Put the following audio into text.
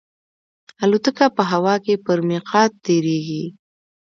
الوتکه په هوا کې پر میقات تېرېږي.